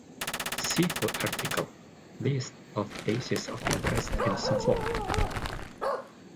See full article, List of places of interest in Suffolk.